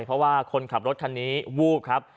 เพราะว่าคนขับรถคันนี้วูบครับ